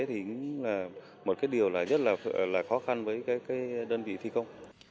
thì một cái điều rất là khó khăn với đơn vị thi công